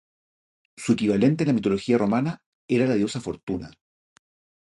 Su equivalente en la mitología romana era la diosa Fortuna.